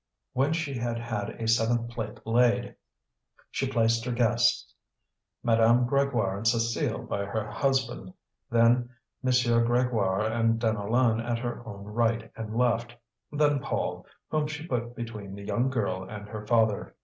When she had had a seventh plate laid she placed her guests: Madame Grégoire and Cécile by her husband, then M. Grégoire and Deneulin at her own right and left; then Paul, whom she put between the young girl and her father.